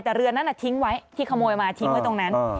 แต่เรือนั้นทิ้งไว้ที่ขโมยมาทิ้งไว้ตรงนั้น